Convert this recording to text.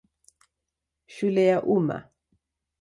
Shule ya Umma.